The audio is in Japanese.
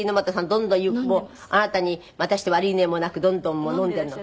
どんどんあなたに「待たせて悪いね」もなくどんどん飲んでいるの？